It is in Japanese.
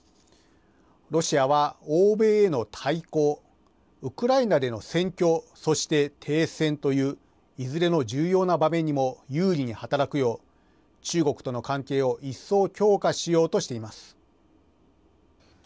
ロシアは欧米への対抗、ウクライナでの戦況、そして停戦という、いずれの重要な場面にも有利に働くよう、中国との関係を一層強化しようとしています。